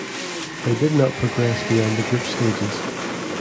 They did not progress beyond the group stages.